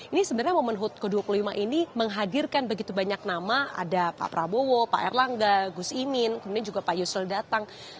ini sebenarnya momen hud ke dua puluh lima ini menghadirkan begitu banyak nama ada pak prabowo pak erlangga gus imin kemudian juga pak yusril datang